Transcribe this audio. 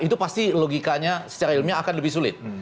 itu pasti logikanya secara ilmiah akan lebih sulit